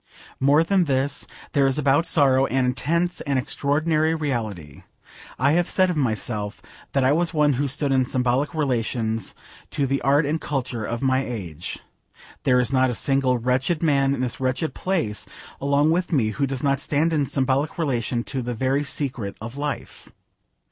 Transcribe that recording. More than this, there is about sorrow an intense, an extraordinary reality. I have said of myself that I was one who stood in symbolic relations to the art and culture of my age. There is not a single wretched man in this wretched place along with me who does not stand in symbolic relation to the very secret of life.